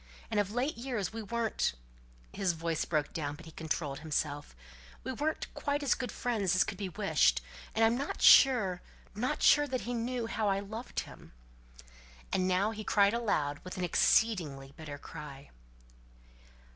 And of late years we weren't" his voice broke down, but he controlled himself "we weren't quite as good friends as could be wished; and I'm not sure not sure that he knew how I loved him." And now he cried aloud with an exceeding bitter cry.